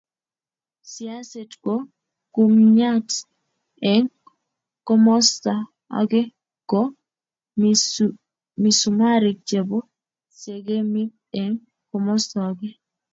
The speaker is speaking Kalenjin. siaset ko kumnyaat eng komosta age ko misumarik chebo segemik eng komosta age